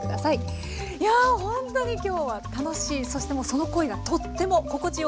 いやほんとに今日は楽しいそしてもうその声がとっても心地よかったです。